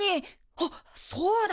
あっそうだ！